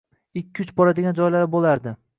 Ikki-uch boradigan joylari boʻlardi.